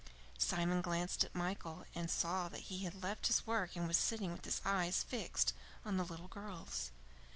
Simon glanced at Michael and saw that he had left his work and was sitting with his eyes fixed on the little girls.